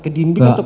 ke dinding atau ke